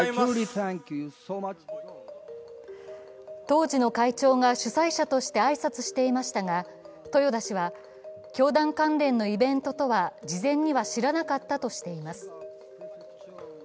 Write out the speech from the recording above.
当時の会長が主催者として挨拶していましたが豊田氏は教団関連のイベントとは事前には知らなかったとしています。